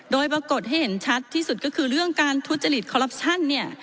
โดยปรากฏให้เห็นชัดที่สุดก็คือเรื่องการทุจริตคอลลับชั่นเนี่ย